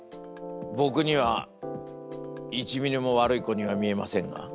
僕には１ミリもワルイコには見えませんが。